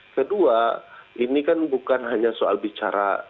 kedua ini kan bukan hanya soal bicara